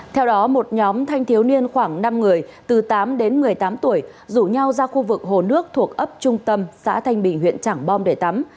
theo đó một nhóm thanh thiếu niên khoảng năm người từ tám đến một mươi tám tuổi rủ nhau ra khu vực hồ nước thuộc ấp trung tâm xã thanh bình huyện trảng bom để tắm